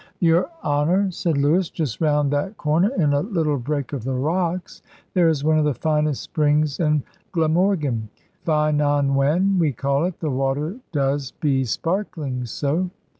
"Your honour," said Lewis, "just round that corner, in a little break of the rocks, there is one of the finest springs in Glamorgan, 'Ffynnon Wen' we call it, the water does be sparkling so."